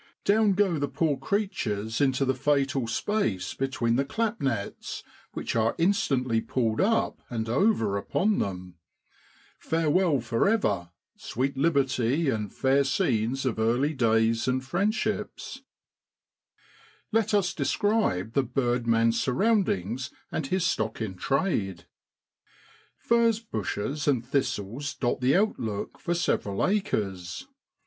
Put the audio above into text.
Down go the poor creatures into the fatal space between the clap nets, which are instantly pulled up and over upon them. Farewell for ever ! sweet liberty and fair scenes of early days and friendships ! M PREPAKING FOR THEIR MORNING DIP. SEPTEMBER IN SROADLAND. . 91 Let us describe the bird man's surroundings and his stock in trade. Furze bushes and thistles dot the outlook for several acres.